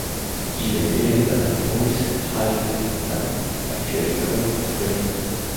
Il est élève à la Boys High d'Atlanta, actuelle École Grady.